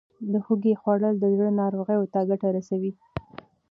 د هوږې خوړل د زړه ناروغیو ته ګټه رسوي.